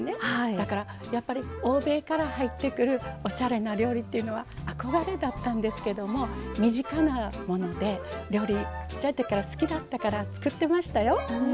だから、欧米から入ってくるおしゃれな料理というのは憧れだったんですけども身近なもので料理ちっちゃいときから好きだったので作ってましたよ。